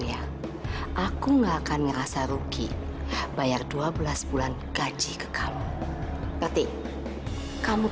ya aku nggak akan ngerasa rugi bayar dua belas bulan gaji ke kamu berarti kamu